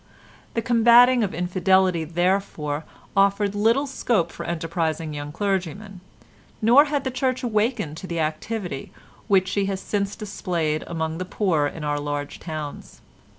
The combating of infidelity, therefore, offered little scope for enterprising young clergymen, nor had the Church awakened to the activity which she has since displayed among the poor in our large towns.